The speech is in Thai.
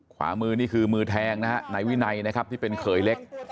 ขวามือนี่คือมือแทงนะฮะนายวินัยนะครับที่เป็นเขยเล็ก